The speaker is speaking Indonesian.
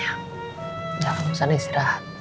ya jangan kesana istirahat